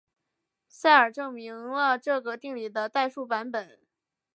塞尔证明了这个定理的代数版本。